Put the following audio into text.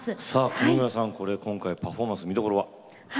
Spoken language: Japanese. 上村さん、今回パフォーマンス見どころは？